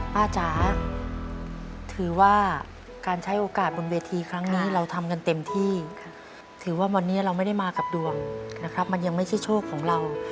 จ๋าถือว่าการใช้โอกาสบนเวทีครั้งนี้เราทำกันเต็มที่ถือว่าวันนี้เราไม่ได้มากับดวงนะครับมันยังไม่ใช่โชคของเรา